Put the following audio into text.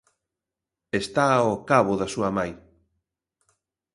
Está ao cabo da súa mai.